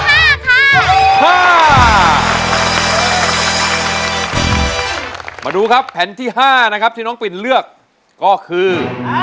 แผ่นที่ห้าค่ะมาดูครับแผ่นที่ห้านะครับที่น้องปิ่นเลือกก็คือ